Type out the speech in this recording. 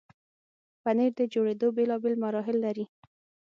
پنېر د جوړېدو بیلابیل مراحل لري.